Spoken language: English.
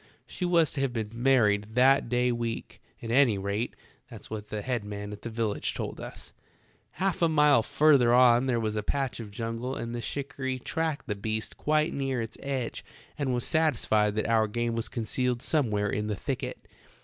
She was to have been married that day week ; at any rate, that's what the head man at the village told us. "Half a mile further on there was a patch of jungle and the shikarry tracked the beast quite near its edge and was satisfied that our game was concealed somewhere in the thicket.